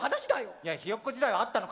いやヒヨッコ時代はあったのか？